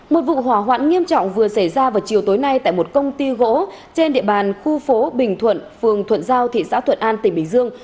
một vụ hỏa hoạn nghiêm trọng vừa xảy ra vào chiều tối nay tại một công ty gỗ trên địa bàn khu phố bình thuận phường thuận giao thị xã thuận an tỉnh bình dương